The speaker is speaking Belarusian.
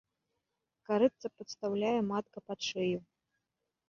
Карытца падстаўляе матка пад шыю.